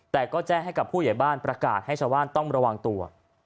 แต่ก็แจ้งให้กับผู้ใหญ่บ้านประกาศให้ชาวบ้านต้องระวังตัว